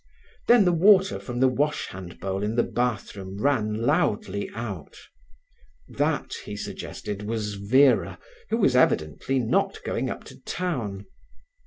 Then the water from the wash hand bowl in the bathroom ran loudly out. That, he suggested, was Vera, who was evidently not going up to town.